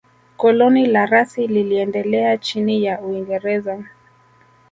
Koloni la Rasi liliendelea chini ya Uingereza